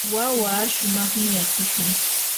wawaa shumaqmi asikun.